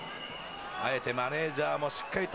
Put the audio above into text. あえてマネジャーもしっかりと。